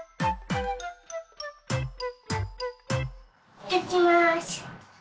いってきます。